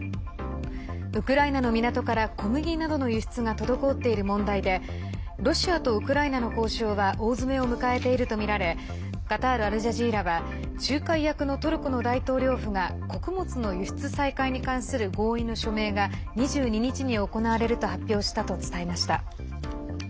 ウクライナの港から、小麦などの輸出が滞っている問題でロシアとウクライナの交渉は大詰めを迎えているとみられカタール・アルジャジーラは仲介役のトルコの大統領府が穀物の輸出再開に関する合意の署名が２２日に行われると発表したと伝えました。